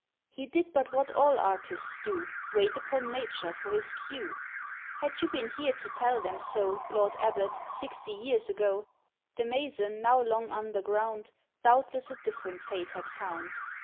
"He did but what all artists do, Wait upon Nature for his cue." —"Had you been here to tell them so Lord Abbot, sixty years ago, "The mason, now long underground, Doubtless a different fate had found.